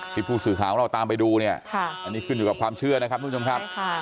ปิภู่ศือหาวัลาตามไปดูเนี่ยอันนี้ขึ้นอยู่กับความเชื่อนะครับทุกค่ะ